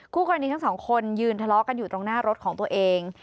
คู่กรณีทั้งสองคนยืนทะเลาะกันอยู่ตรงหน้ารถของตัวเอง